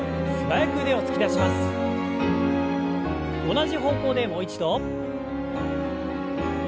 同じ方向でもう一度。